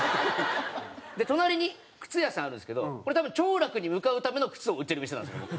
で隣に靴屋さんあるんですけどこれ多分兆楽に向かうための靴を売ってる店なんですよ。